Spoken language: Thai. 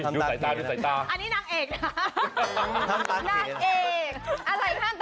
น้องกระดาษอีกท่านหนึ่งก็คือด้านนั้น